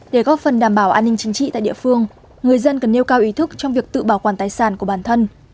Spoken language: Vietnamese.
để góp phần đảm bảo an ninh chính trị tại địa phương người dân cần nêu cao ý thức trong việc tự bảo quản tài sản của bản thân